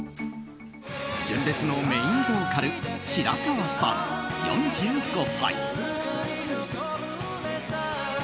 純烈のメインボーカル白川さん、４５歳。